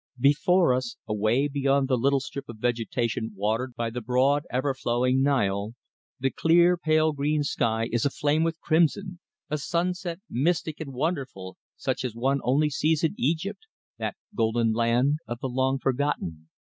Before us, away beyond the little strip of vegetation watered by the broad, ever flowing Nile, the clear, pale green sky is aflame with crimson, a sunset mystic and wonderful, such as one only sees in Egypt, that golden land of the long forgotten.